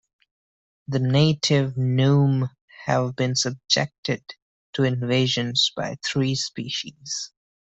The native Pnume have been subjected to invasions by three species.